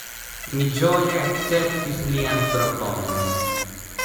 Mi ĝoje akceptis lian proponon.